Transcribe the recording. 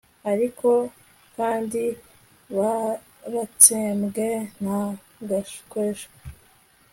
Ariko kandi baratsembwe Nta gashweshwe